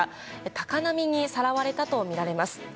高波にさらわれたとみられます。